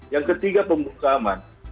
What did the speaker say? yang ketiga pemuskaman